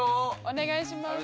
お願いします。